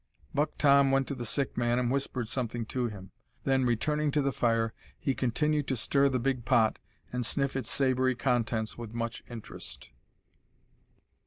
Buck Tom went to the sick man and whispered something to him. Then, returning to the fire, he continued to stir the big pot, and sniff its savoury contents with much interest.